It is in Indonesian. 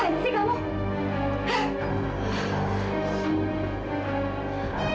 apaan sih kamu